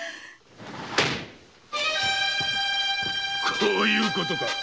こういうことか！